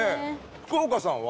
福岡さんは？